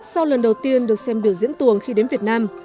sau lần đầu tiên được xem biểu diễn tuồng khi đến việt nam